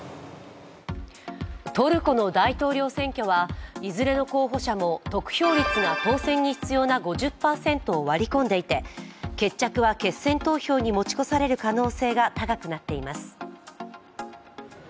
トルコの大統領選挙はいずれの候補者も得票率が当選に必要な５０％を割り込んでいて決着は決選投票に持ち越される可能性が高くなっています。